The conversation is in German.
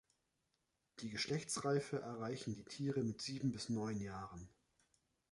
Die Geschlechtsreife erreichen die Tiere mit sieben bis neun Jahren.